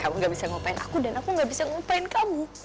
kamu gak bisa ngelupain aku dan aku gak bisa ngelupain kamu